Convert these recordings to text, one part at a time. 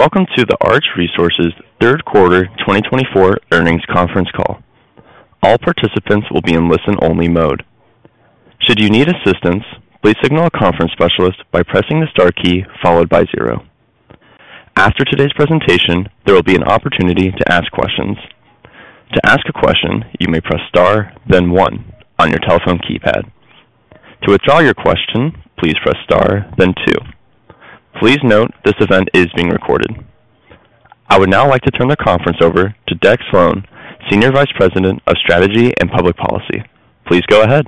Welcome to the Arch Resources Third Quarter 2024 Earnings Conference Call. All participants will be in listen-only mode. Should you need assistance, please signal a conference specialist by pressing the star key followed by zero. After today's presentation, there will be an opportunity to ask questions. To ask a question, you may press star, then one, on your telephone keypad. To withdraw your question, please press star, then two. Please note this event is being recorded. I would now like to turn the conference over to Deck Slone, Senior Vice President of Strategy and Public Policy. Please go ahead.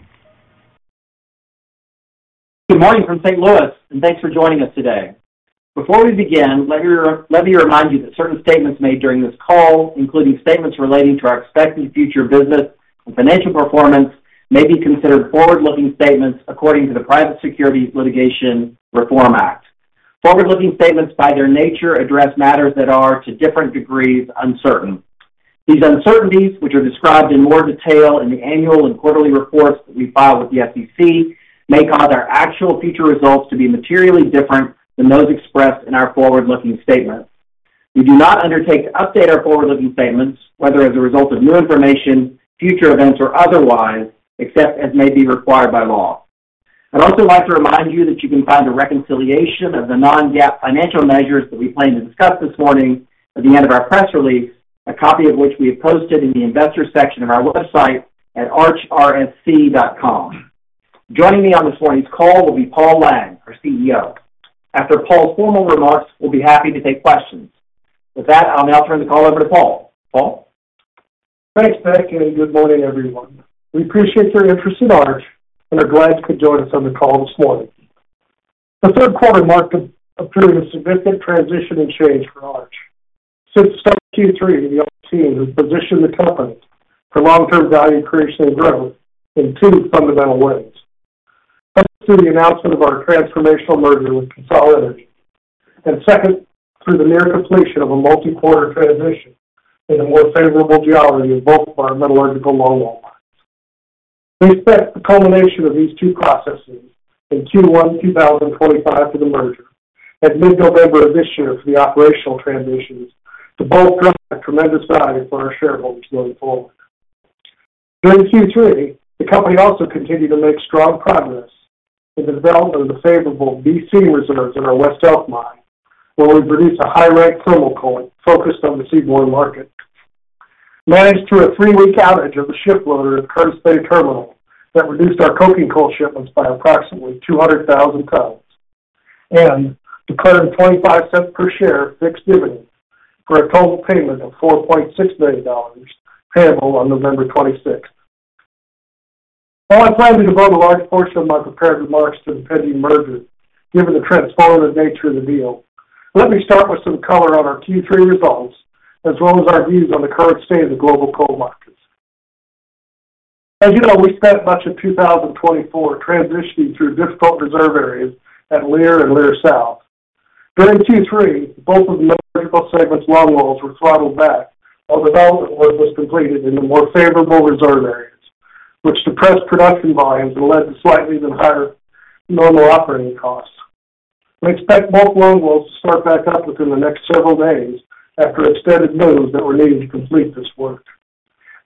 Good morning from St. Louis, and thanks for joining us today. Before we begin, let me remind you that certain statements made during this call, including statements relating to our expected future business and financial performance, may be considered forward-looking statements according to the Private Securities Litigation Reform Act. Forward-looking statements, by their nature, address matters that are to different degrees uncertain. These uncertainties, which are described in more detail in the annual and quarterly reports that we file with the SEC, may cause our actual future results to be materially different than those expressed in our forward-looking statements. We do not undertake to update our forward-looking statements, whether as a result of new information, future events, or otherwise, except as may be required by law. I'd also like to remind you that you can find a reconciliation of the non-GAAP financial measures that we plan to discuss this morning at the end of our press release, a copy of which we have posted in the investor section of our website at archrsc.com. Joining me on this morning's call will be Paul Lang, our CEO. After Paul's formal remarks, we'll be happy to take questions. With that, I'll now turn the call over to Paul. Paul? Thanks, Matthew. Good morning, everyone. We appreciate your interest in Arch and are glad you could join us on the call this morning. The third quarter marked a period of significant transition and change for Arch. Since starting Q3, we have seen the position of the company for long-term value creation and growth in two fundamental ways. First, through the announcement of our transformational merger with CONSOL, and second, through the near completion of a multi-quarter transition in a more favorable geology of both of our metallurgical longwall mines. We expect the culmination of these two processes in Q1 2025 for the merger and mid-November of this year for the operational transitions to both draw a tremendous value for our shareholders going forward. During Q3, the company also continued to make strong progress in the development of the favorable B seam reserves in our West Elk Mine, where we produce a high-rank thermal coal focused on the seaborne market, managed through a three-week outage of the shiploader at the Curtis Bay Coal Terminal that reduced our coking coal shipments by approximately 200,000 tons, and declared a $0.25 per share fixed dividend for a total payment of $4.6 million payable on November 26th. While I plan to devote a large portion of my prepared remarks to the pending merger, given the transformative nature of the deal, let me start with some color on our Q3 results as well as our views on the current state of the global coal markets. As you know, we spent much of 2024 transitioning through difficult reserve areas at Leer and Leer South. During Q3, both of the metallurgical segments' longwalls were throttled back while development work was completed in the more favorable reserve areas, which depressed production volumes and led to slightly higher normal operating costs. We expect both longwalls to start back up within the next several days after extended moves that were needed to complete this work.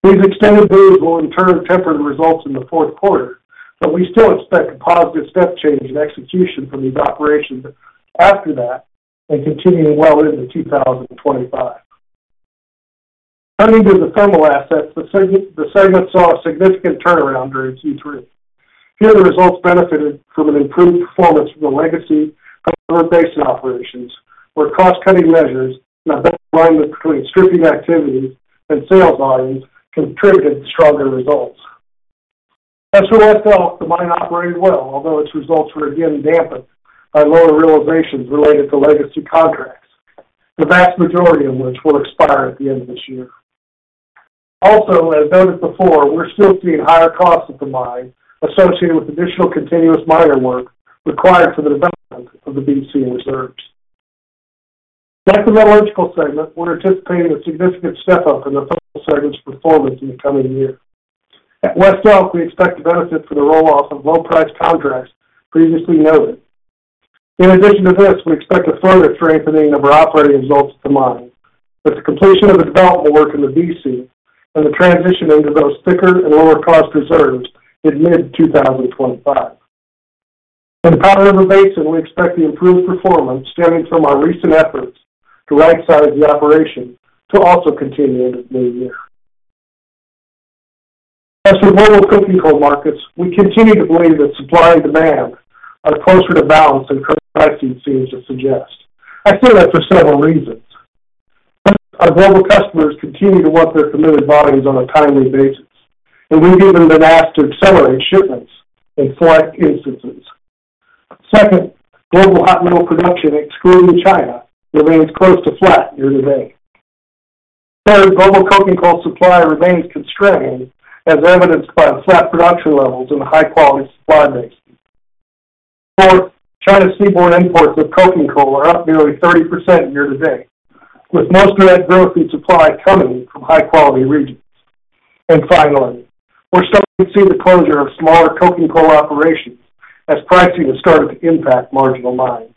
These extended moves will in turn temper the results in the fourth quarter, but we still expect a positive step change in execution for these operations after that and continuing well into 2025. Turning to the thermal assets, the segment saw a significant turnaround during Q3. Here, the results benefited from an improved performance of the legacy thermal basin operations, where cross-cutting measures and alignment between stripping activities and sales volumes contributed to stronger results. As for West Elk, the mine operated well, although its results were again dampened by lower realizations related to legacy contracts, the vast majority of which will expire at the end of this year. Also, as noted before, we're still seeing higher costs at the mine associated with additional continuous miner work required for the development of the B seam reserves. Like the metallurgical segment, we're anticipating a significant step up in the thermal segment's performance in the coming year. At West Elk, we expect to benefit from the roll-off of low-price contracts previously noted. In addition to this, we expect a further strengthening of our operating results at the mine with the completion of the development work in the B seam and the transition into those thicker and lower-cost reserves in mid-2025. In the Powder River Basin, we expect the improved performance stemming from our recent efforts to right-size the operation to also continue into the new year. As for global coking coal markets, we continue to believe that supply and demand are closer to balance than current pricing seems to suggest. I say that for several reasons. Our global customers continue to want their committed volumes on a timely basis, and we've even been asked to accelerate shipments in select instances. Second, global hot metal production, excluding China, remains close to flat year-to-date. Third, global coking coal supply remains constrained, as evidenced by the flat production levels in the high-quality supply basin. Fourth, China's seaborne imports of coking coal are up nearly 30% year-to-date, with most of that growth in supply coming from high-quality regions. And finally, we're starting to see the closure of smaller coking coal operations as pricing has started to impact marginal mines.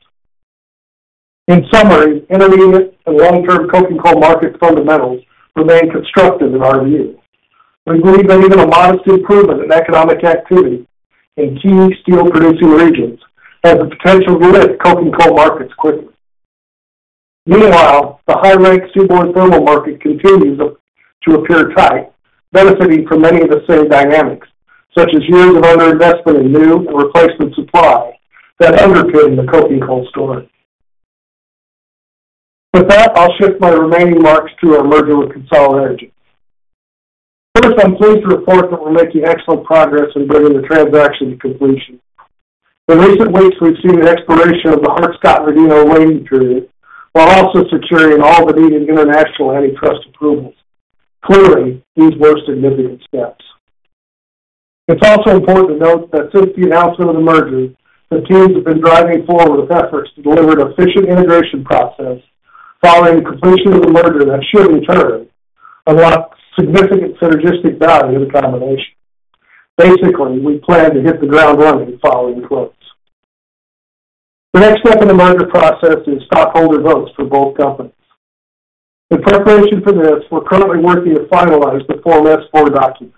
In summary, intermediate and long-term coking coal market fundamentals remain constructive in our view. We believe that even a modest improvement in economic activity in key steel-producing regions has the potential to lift coking coal markets quickly. Meanwhile, the high-ranked seaborne thermal market continues to appear tight, benefiting from many of the same dynamics, such as years of underinvestment in new and replacement supply that underpins the coking coal story. With that, I'll shift my remaining marks to our merger with CONSOL. First, I'm pleased to report that we're making excellent progress in bringing the transaction to completion. In recent weeks, we've seen the expiration of the Hart-Scott-Rodino waiting period while also securing all the needed international antitrust approvals. Clearly, these were significant steps. It's also important to note that since the announcement of the merger, the teams have been driving forward with efforts to deliver an efficient integration process following the completion of the merger that should, in turn, unlock significant synergistic value in the combination. Basically, we plan to hit the ground running following close. The next step in the merger process is stockholder votes for both companies. In preparation for this, we're currently working to finalize the Form S-4 document.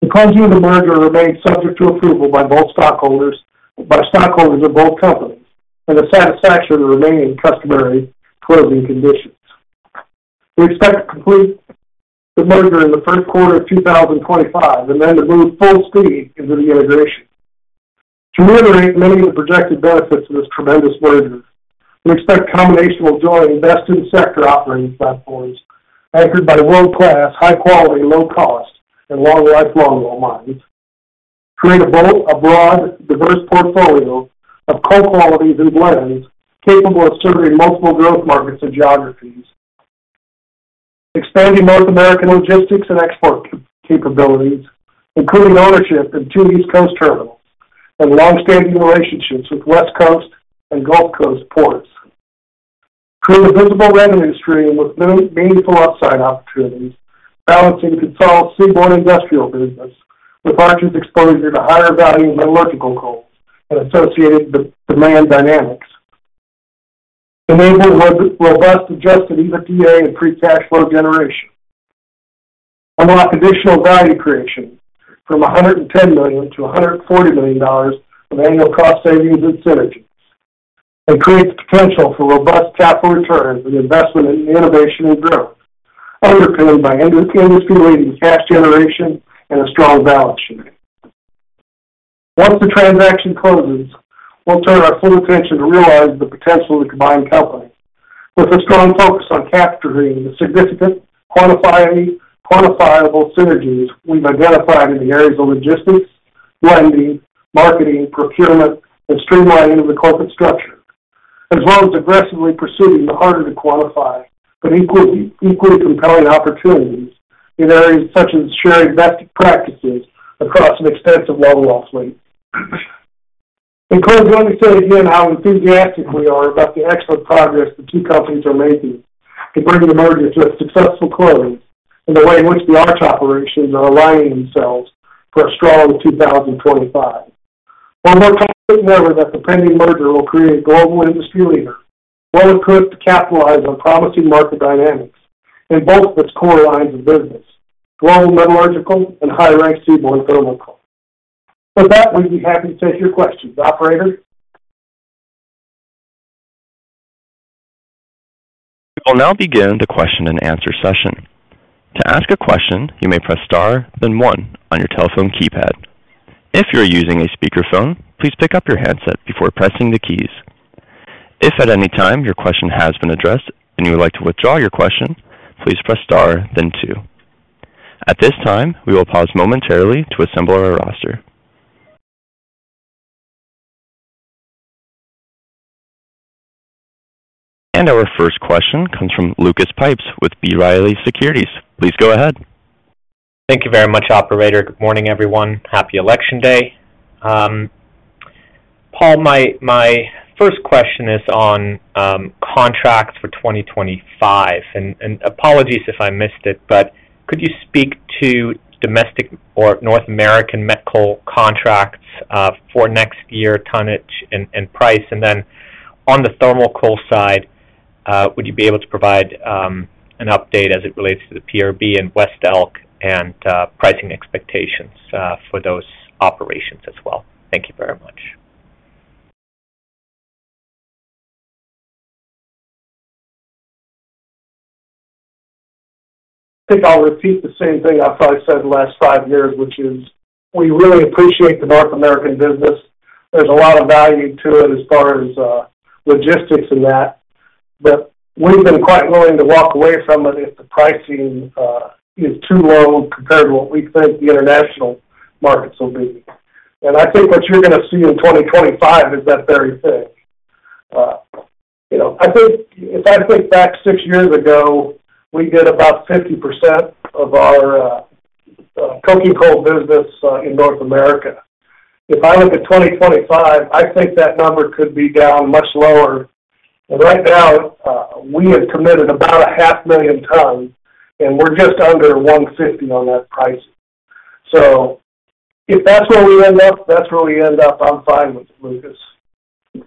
The closure of the merger remains subject to approval by both stockholders of both companies and the satisfaction of the remaining customary closing conditions. We expect to complete the merger in the third quarter of 2025 and then to move full speed into the integration. To reiterate many of the projected benefits of this tremendous merger, we expect combinational joining best-in-sector operating platforms anchored by world-class, high-quality, low-cost, and long-life longwall mines. Create a broad, diverse portfolio of coal qualities and blends capable of serving multiple growth markets and geographies. Expanding North American logistics and export capabilities, including ownership in two East Coast terminals and long-standing relationships with West Coast and Gulf Coast ports. Create a visible revenue stream with meaningful upside opportunities, balancing CONSOL's seaborne industrial business with Arch's exposure to higher-value metallurgical coals and associated demand dynamics. Enable robust Adjusted EBITDA and Free Cash Flow generation. Unlock additional value creation from $110-$140 million of annual cost savings and synergies, and create the potential for robust capital returns and investment in innovation and growth, underpinned by industry-leading cash generation and a strong balance sheet. Once the transaction closes, we'll turn our full attention to realize the potential of the combined company. With a strong focus on capturing the significant quantifiable synergies we've identified in the areas of logistics, blending, marketing, procurement, and streamlining of the corporate structure, as well as aggressively pursuing the harder-to-quantify but equally compelling opportunities in areas such as sharing best practices across an extensive longwall fleet. I'm going to say again how enthusiastic we are about the excellent progress the two companies are making to bring the merger to a successful close and the way in which the Arch operations are aligning themselves for a strong 2025. While we're confident that the pending merger will create a global industry leader, well-equipped to capitalize on promising market dynamics in both of its core lines of business, global metallurgical and high-rank seaborne thermal coal. With that, we'd be happy to take your questions, operator. We will now begin the question-and-answer session. To ask a question, you may press star, then one on your telephone keypad. If you're using a speakerphone, please pick up your headset before pressing the keys. If at any time your question has been addressed and you would like to withdraw your question, please press star, then two. At this time, we will pause momentarily to assemble our roster, and our first question comes from Lucas Pipes with B. Riley Securities. Please go ahead. Thank you very much, operator. Good morning, everyone. Happy Election Day. Paul, my first question is on contracts for 2025. And apologies if I missed it, but could you speak to domestic or North American met coal contracts for next year, tonnage and price? And then on the thermal coal side, would you be able to provide an update as it relates to the PRB and West Elk and pricing expectations for those operations as well? Thank you very much. I think I'll repeat the same thing I probably said the last five years, which is we really appreciate the North American business. There's a lot of value to it as far as logistics and that, but we've been quite willing to walk away from it if the pricing is too low compared to what we think the international markets will be. I think what you're going to see in 2025 is that very thing. I think if I think back six years ago, we did about 50% of our coking coal business in North America. If I look at 2025, I think that number could be down much lower. And right now, we have committed about 500,000 tons, and we're just under $150 on that price. So if that's where we end up, that's where we end up. I'm fine with it, Lucas.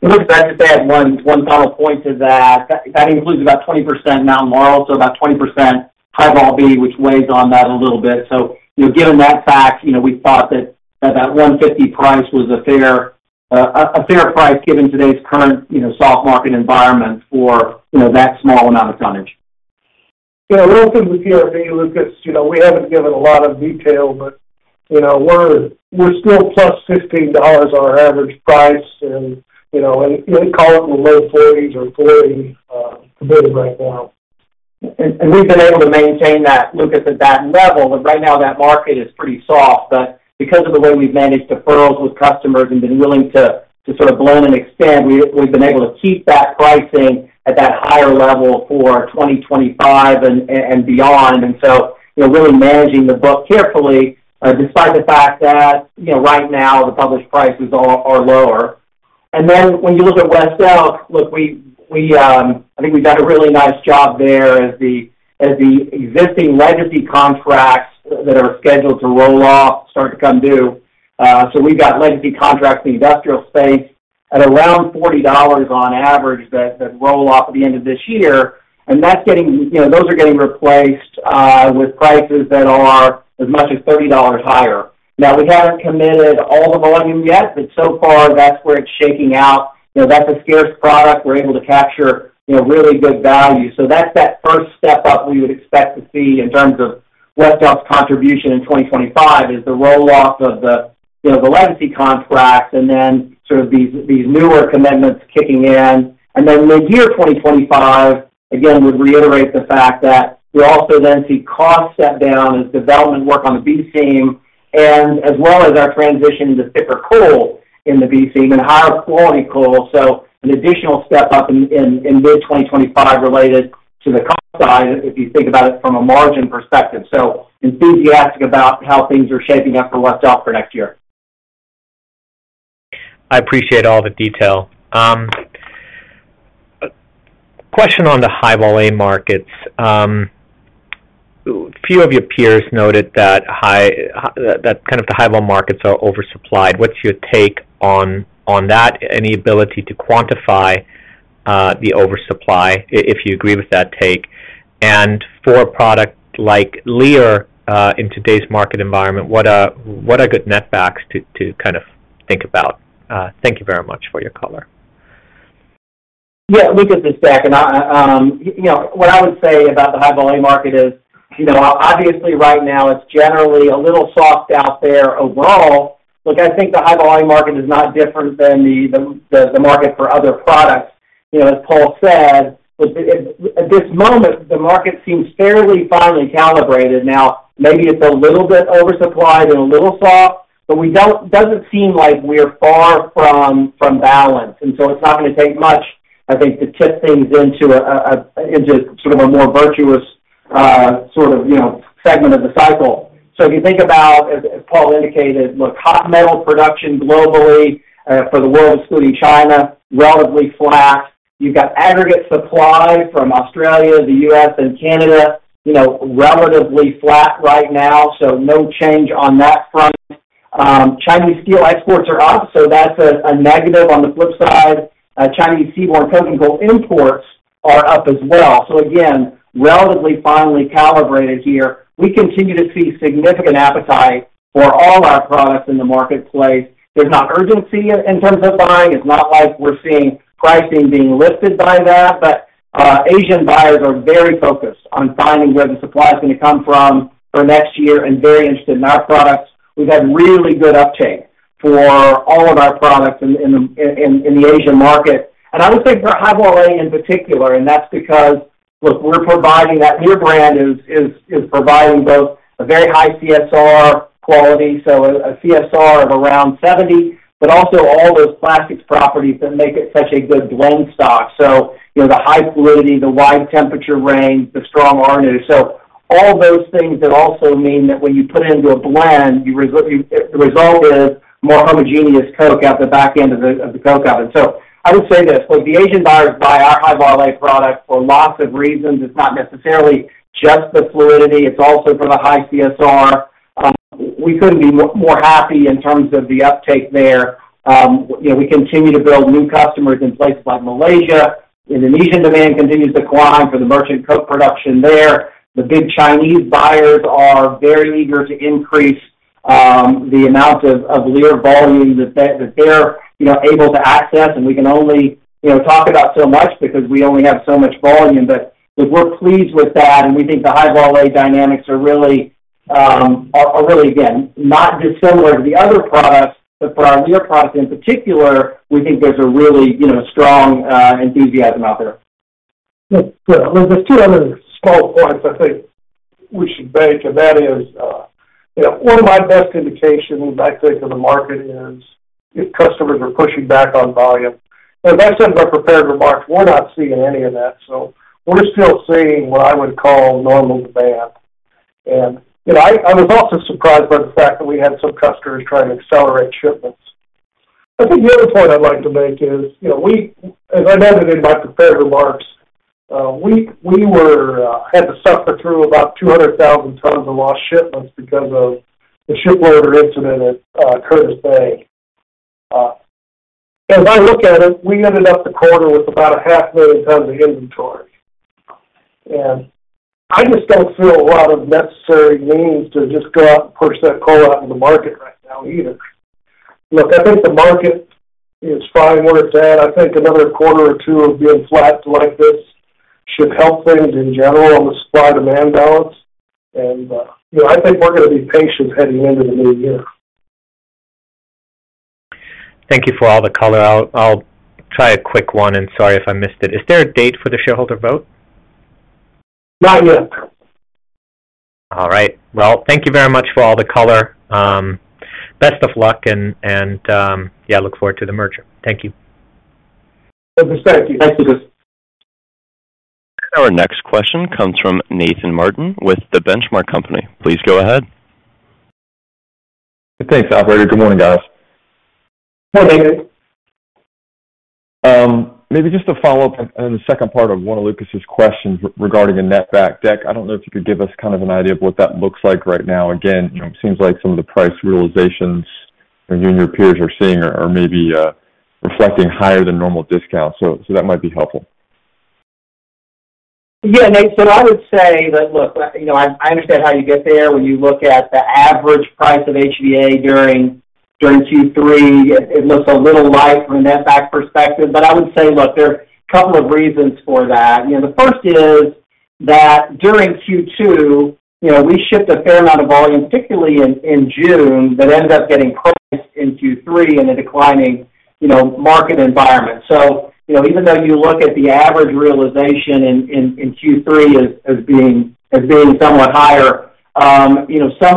Lucas, I just add one final point to that. That includes about 20% Mountain Laurel, so about 20% High-Vol B, which weighs on that a little bit. So given that fact, we thought that that $150 price was a fair price given today's current soft market environment for that small amount of tonnage. Yeah, we'll do the PRB, Lucas. We haven't given a lot of detail, but we're still plus $15 on our average price, and we call it in the low 40s or 40 committed right now. We've been able to maintain that, Lucas, at that level. Right now, that market is pretty soft, but because of the way we've managed deferrals with customers and been willing to sort of blend and extend, we've been able to keep that pricing at that higher level for 2025 and beyond. So really managing the book carefully despite the fact that right now the published prices are lower. Then when you look at West Elk, look, I think we've done a really nice job there as the existing legacy contracts that are scheduled to roll off start to come due. So we've got legacy contracts in the industrial space at around $40 on average that roll off at the end of this year, and those are getting replaced with prices that are as much as $30 higher. Now, we haven't committed all the volume yet, but so far that's where it's shaking out. That's a scarce product. We're able to capture really good value, so that's that first step up we would expect to see in terms of West Elk's contribution in 2025 is the roll-off of the legacy contracts and then sort of these newer commitments kicking in, and then mid-year 2025, again, would reiterate the fact that we also then see costs step down as development work on the B seam and as well as our transition to thicker coal in the B seam and higher quality coal, so an additional step up in mid-2025 related to the cost side if you think about it from a margin perspective, so enthusiastic about how things are shaping up for West Elk for next year. I appreciate all the detail. Question on the High-Vol A markets. A few of your peers noted that kind of the High-Vol markets are oversupplied. What's your take on that? Any ability to quantify the oversupply if you agree with that take? And for a product like Leer in today's market environment, what are good netbacks to kind of think about? Thank you very much for your color. Yeah, Lucas is back. And what I would say about the High-Vol A market is obviously right now it's generally a little soft out there overall. Look, I think the High-Vol A market is not different than the market for other products. As Paul said, at this moment, the market seems fairly finely calibrated. Now, maybe it's a little bit oversupplied and a little soft, but it doesn't seem like we're far from balance. And so it's not going to take much, I think, to tip things into sort of a more virtuous sort of segment of the cycle. So if you think about, as Paul indicated, look, hot metal production globally for the world, excluding China, relatively flat. You've got aggregate supply from Australia, the U.S., and Canada relatively flat right now, so no change on that front. Chinese steel exports are up, so that's a negative. On the flip side, Chinese seaborne coking coal imports are up as well. So again, relatively finely calibrated here. We continue to see significant appetite for all our products in the marketplace. There's not urgency in terms of buying. It's not like we're seeing pricing being lifted by that, but Asian buyers are very focused on finding where the supply is going to come from for next year and very interested in our products. We've had really good uptake for all of our products in the Asian market. And I would say for High-Vol A in particular, and that's because, look, we're providing that Leer brand is providing both a very high CSR quality, so a CSR of around 70, but also all those plastic properties that make it such a good blend stock. So the high fluidity, the wide temperature range, the strong Arnu. All those things that also mean that when you put it into a blend, the result is more homogeneous coke at the back end of the coke oven. I would say this. Look, the Asian buyers buy our High-Vol A product for lots of reasons. It's not necessarily just the fluidity. It's also for the high CSR. We couldn't be more happy in terms of the uptake there. We continue to build new customers in places like Malaysia. Indonesian demand continues to climb for the merchant coke production there. The big Chinese buyers are very eager to increase the amount of Leer volume that they're able to access. We can only talk about so much because we only have so much volume, but we're pleased with that. We think the High-Vol A dynamics are really, again, not dissimilar to the other products, but for our Leer product in particular, we think there's a really strong enthusiasm out there. There's two other small points I think we should make, and that is one of my best indications, I think, of the market is if customers are pushing back on volume. As I said in my prepared remarks, we're not seeing any of that. So we're still seeing what I would call normal demand. And I was also surprised by the fact that we had some customers trying to accelerate shipments. I think the other point I'd like to make is, as I noted in my prepared remarks, we had to suffer through about 200,000 tons of lost shipments because of the shiploader incident at Curtis Bay. As I look at it, we ended up the quarter with about 500,000 tons of inventory. And I just don't feel a lot of necessary means to just go out and push that coal out into the market right now either. Look, I think the market is fine where it's at. I think another quarter or two of being flat like this should help things in general on the supply-demand balance. And I think we're going to be patient heading into the new year. Thank you for all the color. I'll try a quick one, and sorry if I missed it. Is there a date for the shareholder vote? Not yet. All right. Well, thank you very much for all the color. Best of luck, and yeah, look forward to the merger. Thank you. Thank you. Thank you. Our next question comes from Nathan Martin with The Benchmark Company. Please go ahead. Thanks, operator. Good morning, guys. Morning, David. Maybe just to follow up on the second part of one of Lucas's questions regarding a netback deck, I don't know if you could give us kind of an idea of what that looks like right now. Again, it seems like some of the price realizations you and your peers are seeing are maybe reflecting higher than normal discounts, so that might be helpful. Yeah, Nathan, I would say that, look, I understand how you get there. When you look at the average price of HVA during Q3, it looks a little light from a netback perspective. But I would say, look, there are a couple of reasons for that. The first is that during Q2, we shipped a fair amount of volume, particularly in June, that ended up getting priced in Q3 in a declining market environment. So even though you look at the average realization in Q3 as being somewhat higher, some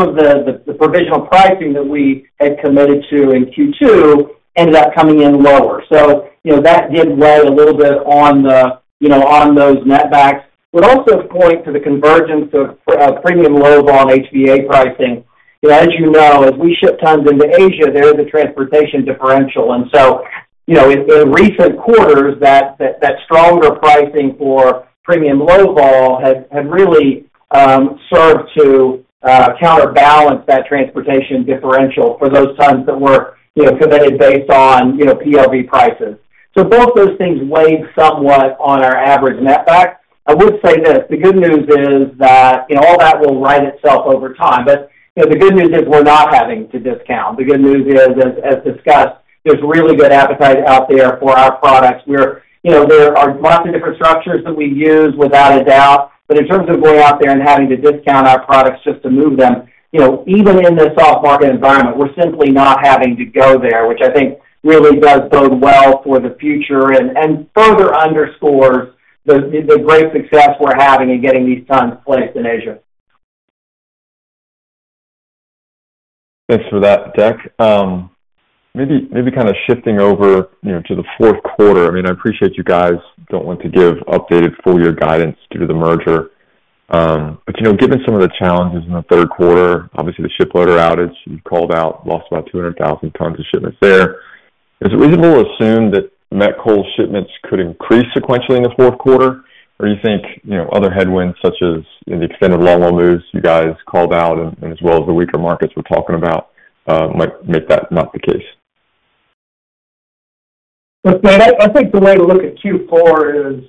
of the provisional pricing that we had committed to in Q2 ended up coming in lower. So that did weigh a little bit on those netbacks, but also point to the convergence of premium low-volume HVA pricing. As you know, as we ship tons into Asia, there is a transportation differential. And so in recent quarters, that stronger pricing for premium low-volume had really served to counterbalance that transportation differential for those tons that were committed based on PRB prices. So both those things weighed somewhat on our average netback. I would say this. The good news is that all that will right itself over time. But the good news is we're not having to discount. The good news is, as discussed, there's really good appetite out there for our products. There are lots of different structures that we use without a doubt. But in terms of going out there and having to discount our products just to move them, even in this soft market environment, we're simply not having to go there, which I think really does bode well for the future and further underscores the great success we're having in getting these tons placed in Asia. Thanks for that, Deck. Maybe kind of shifting over to the fourth quarter. I mean, I appreciate you guys don't want to give updated full-year guidance due to the merger. But given some of the challenges in the third quarter, obviously the shiploader outage, you called out, lost about 200,000 tons of shipments there. Is it reasonable to assume that Metcoal shipments could increase sequentially in the fourth quarter? Or do you think other headwinds such as the extended long-haul moves you guys called out, and as well as the weaker markets we're talking about, might make that not the case? I think the way to look at Q4 is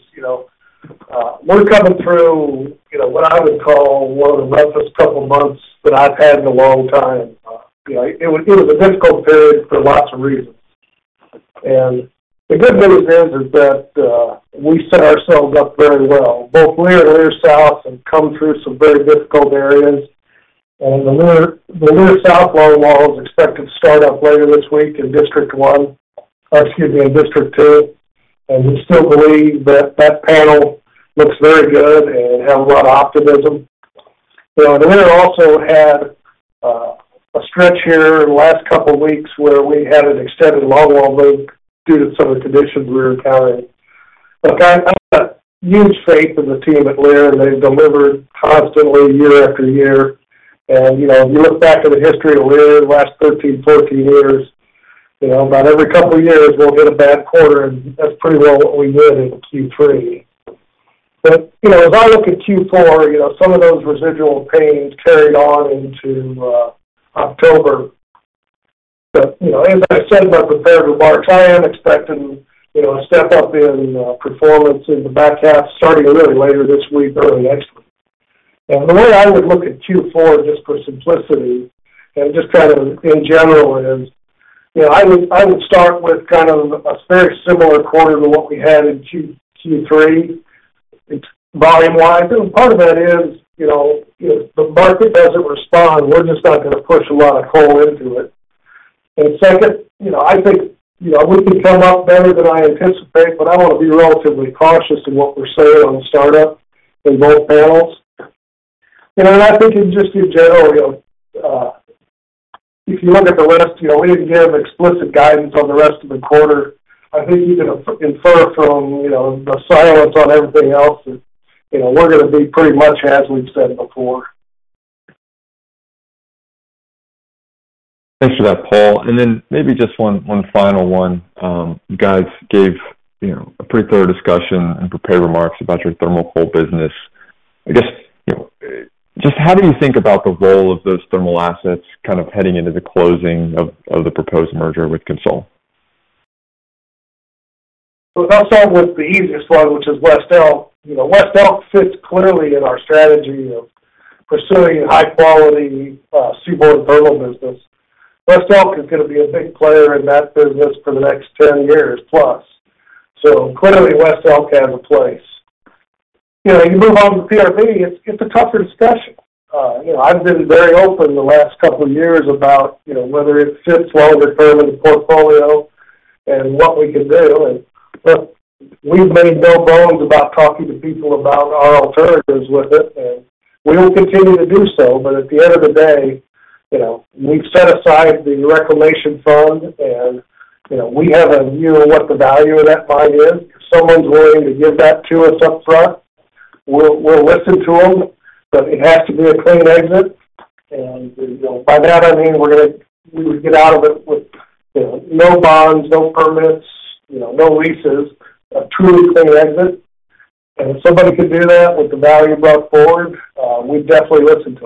we're coming through what I would call one of the roughest couple of months that I've had in a long time. It was a difficult period for lots of reasons. And the good news is that we set ourselves up very well. Both Leer and Leer South have come through some very difficult areas. And the Leer South longwall is expected to start up later this week in District 1, excuse me, in District 2. And we still believe that that panel looks very good and have a lot of optimism. The Leer also had a stretch here in the last couple of weeks where we had an extended longwall move due to some of the conditions we were encountering. Look, I've got huge faith in the team at Leer, and they've delivered constantly year after year. If you look back at the history of Leer the last 13, 14 years, about every couple of years, we'll hit a bad quarter. And that's pretty well what we did in Q3. But as I look at Q4, some of those residual pains carried on into October. But as I said in my prepared remarks, I am expecting a step up in performance in the back half, starting really later this week, early next week. And the way I would look at Q4 just for simplicity and just kind of in general is I would start with kind of a very similar quarter to what we had in Q3 volume-wise. And part of that is the market doesn't respond. We're just not going to push a lot of coal into it. Second, I think we can come up better than I anticipate, but I want to be relatively cautious in what we're saying on startup in both panels. I think just in general, if you look at the rest, we didn't give explicit guidance on the rest of the quarter. I think you can infer from the silence on everything else that we're going to be pretty much as we've said before. Thanks for that, Paul. And then maybe just one final one. You guys gave a pretty thorough discussion and prepared remarks about your thermal coal business. I guess just how do you think about the role of those thermal assets kind of heading into the closing of the proposed merger with CONSOL? I'll start with the easiest one, which is West Elk. West Elk fits clearly in our strategy of pursuing a high-quality seaborne thermal business. West Elk is going to be a big player in that business for the next 10 years plus. So clearly, West Elk has a place. You move on to PRB, it's a tougher discussion. I've been very open the last couple of years about whether it fits longer-term in the portfolio and what we can do. And look, we've made no bones about talking to people about our alternatives with it. And we will continue to do so. But at the end of the day, we've set aside the reclamation fund, and we have a view of what the value of that money is. If someone's willing to give that to us upfront, we'll listen to them. But it has to be a clean exit. By that, I mean we would get out of it with no bonds, no permits, no leases, a truly clean exit. And if somebody could do that with the value brought forward, we'd definitely listen to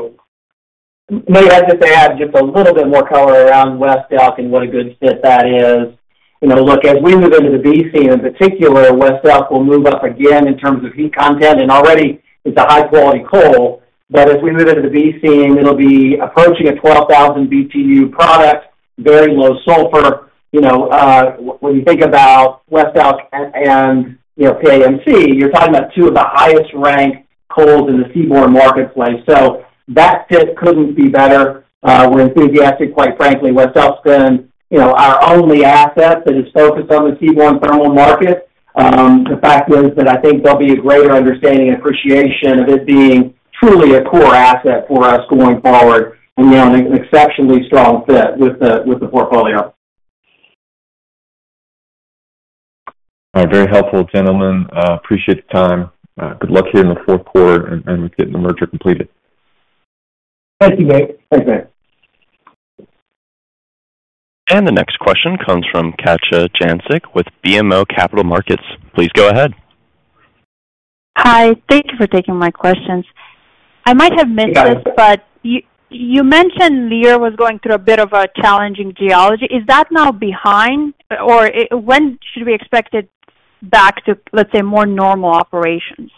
them. Maybe I'd just add a little bit more color around West Elk and what a good fit that is. Look, as we move into the PRB in particular, West Elk will move up again in terms of heat content. And already, it's a high-quality coal. But as we move into the PRB, it'll be approaching a 12,000 BTU product, very low sulfur. When you think about West Elk and PAMC, you're talking about two of the highest-ranked coals in the seaborne marketplace. So that fit couldn't be better. We're enthusiastic, quite frankly. West Elk's been our only asset that is focused on the seaborne thermal market. The fact is that I think there'll be a greater understanding and appreciation of it being truly a core asset for us going forward and an exceptionally strong fit with the portfolio. All right. Very helpful, gentlemen. Appreciate the time. Good luck here in the fourth quarter and with getting the merger completed. Thank you, Dave. Thanks, man. The next question comes from Katja Jancic with BMO Capital Markets. Please go ahead. Hi. Thank you for taking my questions. I might have missed this, but you mentioned Leer was going through a bit of a challenging geology. Is that now behind? Or when should we expect it back to, let's say, more normal operations?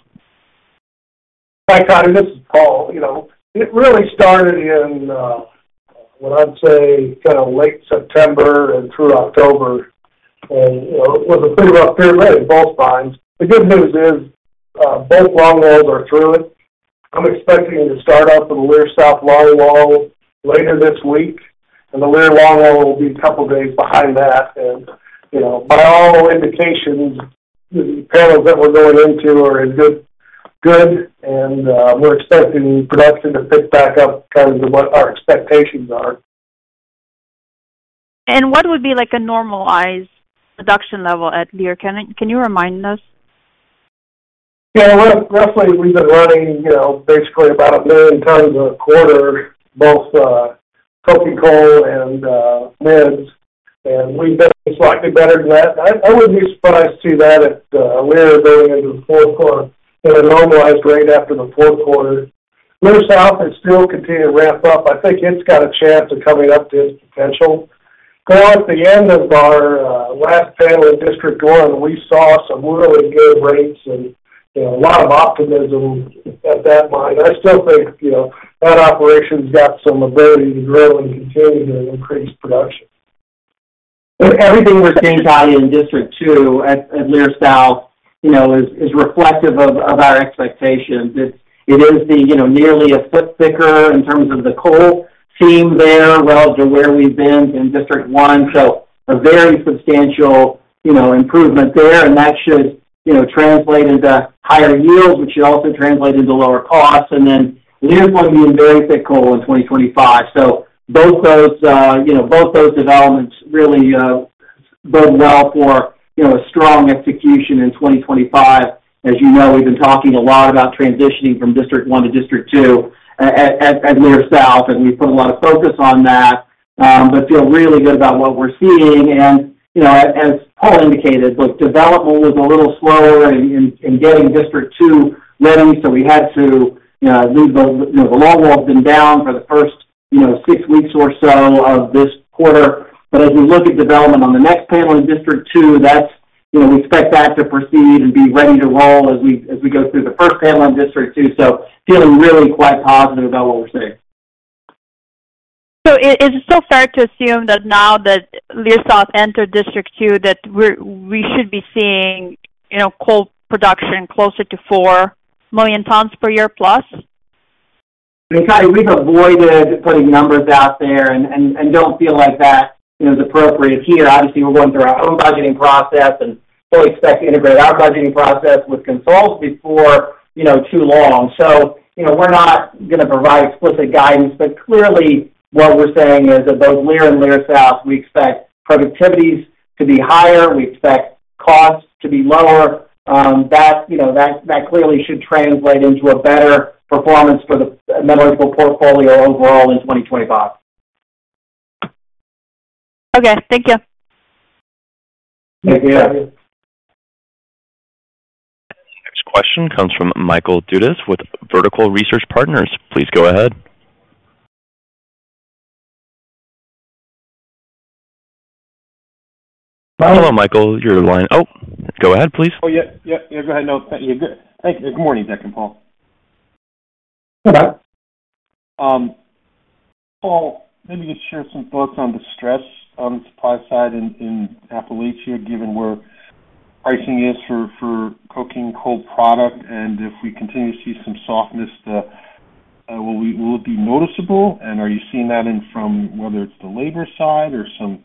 Hi, Katja. This is Paul. It really started in, what I'd say, kind of late September and through October. And it was a pretty rough period in both mines. The good news is both longwalls are through it. I'm expecting to start up in the Leer South longwall later this week. And the Leer longwall will be a couple of days behind that. And by all indications, the panels that we're going into are in good. And we're expecting production to pick back up kind of to what our expectations are. What would be a normalized production level at Leer? Can you remind us? Yeah. Roughly, we've been running basically about a million tons a quarter, both coking coal and met coal. And we've been slightly better than that. I wouldn't be surprised to see that at Leer going into the fourth quarter at a normalized rate after the fourth quarter. Leer South is still continuing to ramp up. I think it's got a chance of coming up to its potential. But at the end of our last panel in District 1, we saw some really good rates and a lot of optimism at that mine. I still think that operation's got some ability to grow and continue to increase production. Everything we're seeing, Katja, in District 2 at Leer South is reflective of our expectations. It is nearly a foot thicker in terms of the coal seam there relative to where we've been in District 1. So a very substantial improvement there. And that should translate into higher yields, which should also translate into lower costs. And then Leer's going to be in very thick coal in 2025. So both those developments really bode well for a strong execution in 2025. As you know, we've been talking a lot about transitioning from District 1 to District 2 at Leer South. And we've put a lot of focus on that. But we feel really good about what we're seeing. And as Paul indicated, look, development was a little slower in getting District 2 ready. So, the longwall has been down for the first six weeks or so of this quarter. But as we look at development on the next panel in District 2, we expect that to proceed and be ready to roll as we go through the first panel in District 2. So, feeling really quite positive about what we're seeing. So is it still fair to assume that now that Leer South entered District 2, that we should be seeing coal production closer to four million tons per year plus? Katja, we've avoided putting numbers out there and don't feel like that is appropriate here. Obviously, we're going through our own budgeting process and fully expect to integrate our budgeting process with CONSOL before too long. So we're not going to provide explicit guidance. But clearly, what we're saying is that both Leer and Leer South, we expect productivities to be higher. We expect costs to be lower. That clearly should translate into a better performance for the metallurgical portfolio overall in 2025. Okay. Thank you. Thank you, Katja. Next question comes from Michael Dudas with Vertical Research Partners. Please go ahead. Hello, Michael. You're on the line. Oh, go ahead, please. Oh, yeah. Go ahead. No, thank you. Good morning, Deck and Paul. Hey, Mike. Paul, maybe just share some thoughts on the stress on the supply side in Appalachia, given where pricing is for coking coal product. And if we continue to see some softness, will it be noticeable? And are you seeing that from whether it's the labor side or some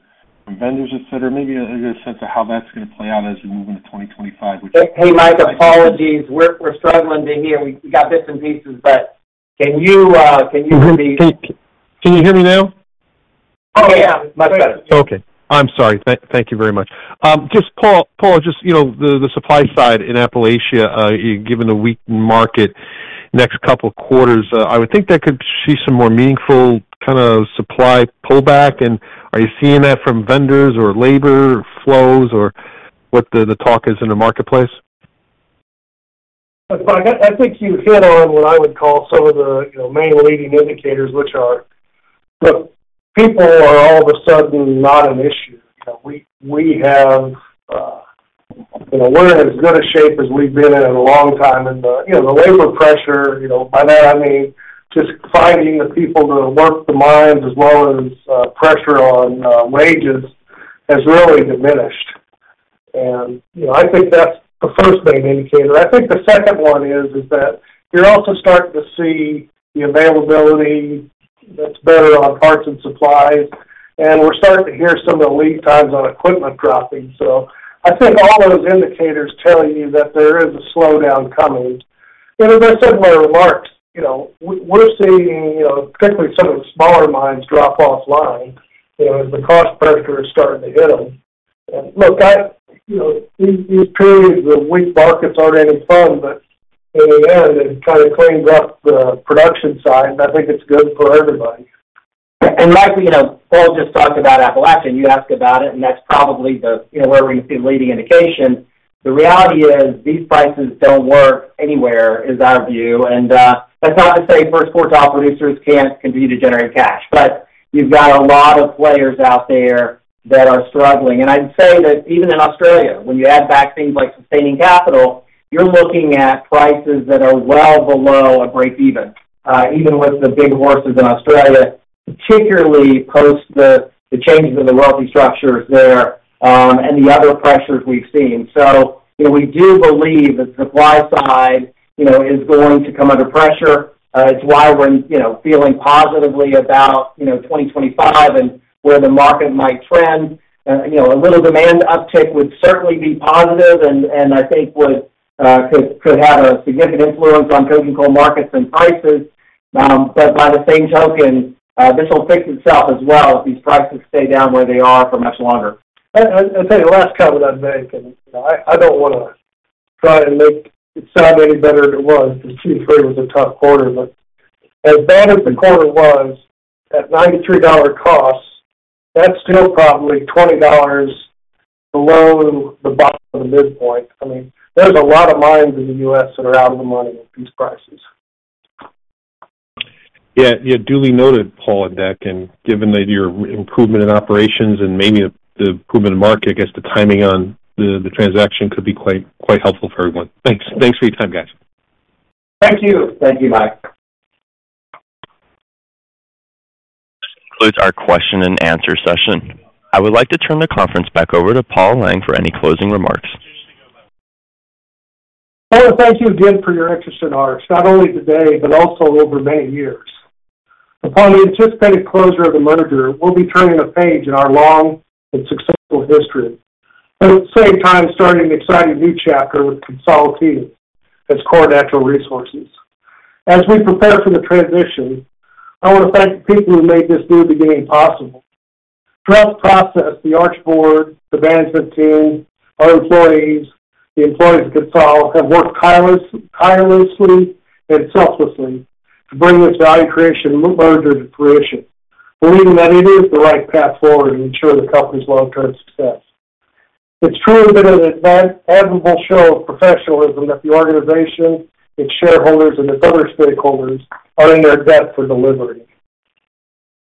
vendors, etc.? Maybe a sense of how that's going to play out as we move into 2025. Hey, Mike, apologies. We're struggling to hear. We got bits and pieces, but can you repeat? Can you hear me now? Oh, yeah. Much better. Okay. I'm sorry. Thank you very much. Just Paul, just the supply side in Appalachia, given the weak market next couple of quarters, I would think that could see some more meaningful kind of supply pullback. And are you seeing that from vendors or labor flows or what the talk is in the marketplace? I think you hit on what I would call some of the main leading indicators, which are people are all of a sudden not an issue. We have been in as good a shape as we've been in a long time. And the labor pressure, by that, I mean just finding the people to work the mines as well as pressure on wages has really diminished. And I think that's the first main indicator. I think the second one is that you're also starting to see the availability that's better on parts and supplies. We're starting to hear some of the lead times on equipment dropping. I think all those indicators tell you that there is a slowdown coming. As I said in my remarks, we're seeing particularly some of the smaller mines drop offline as the cost pressure is starting to hit them. Look, these periods of weak markets aren't any fun, but in the end, it kind of cleans up the production side. I think it's good for everybody. And Mike, Paul just talked about Appalachia. You asked about it. And that's probably where we're going to see the leading indication. The reality is these prices don't work anywhere, is our view. And that's not to say first quartile producers can't continue to generate cash. But you've got a lot of players out there that are struggling. And I'd say that even in Australia, when you add back things like sustaining capital, you're looking at prices that are well below a break-even, even with the big horses in Australia, particularly post the changes in the royalty structures there and the other pressures we've seen. So we do believe that the supply side is going to come under pressure. It's why we're feeling positively about 2025 and where the market might trend. A little demand uptick would certainly be positive and I think could have a significant influence on coking coal markets and prices. But by the same token, this will fix itself as well if these prices stay down where they are for much longer. I'll tell you, last comment I'm making, I don't want to try and make it sound any better than it was. Q3 was a tough quarter. But as bad as the quarter was at $93 costs, that's still probably $20 below the bottom of the midpoint. I mean, there's a lot of mines in the U.S. that are out of the money with these prices. Yeah. Yeah. Duly noted, Paul and Deck, and given your improvement in operations and maybe the improvement in the market, I guess the timing on the transaction could be quite helpful for everyone. Thanks. Thanks for your time, guys. Thank you. Thank you, Mike. This concludes our question and answer session. I would like to turn the conference back over to Paul Lang for any closing remarks. I want to thank you again for your interest in ours, not only today but also over many years. Upon the anticipated closure of the merger, we'll be turning a page in our long and successful history, but at the same time, starting an exciting new chapter with CONSOL Energy as Core Natural Resources. As we prepare for the transition, I want to thank the people who made this new beginning possible. Throughout the process, the Arch Board, the management team, our employees, the employees of CONSOL have worked tirelessly and selflessly to bring this value creation merger to fruition, believing that it is the right path forward to ensure the company's long-term success. It's truly been an admirable show of professionalism that the organization, its shareholders, and its other stakeholders are indebted for delivery.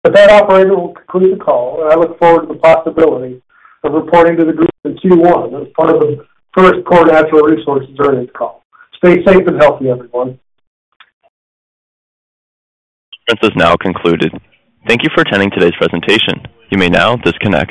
With that, I'll conclude the call. I look forward to the possibility of reporting to the group in Q1 as part of the first Core Natural Resources earnings call. Stay safe and healthy, everyone. This conference has now concluded. Thank you for attending today's presentation. You may now disconnect.